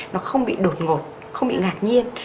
nó không bị đột ngột không bị ngạc nhiên